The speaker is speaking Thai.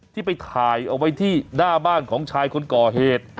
ที่ไปถ่ายเอาไว้ที่หน้าบ้านของชายคนก่อเหตุ